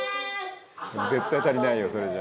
「絶対足りないよそれじゃ」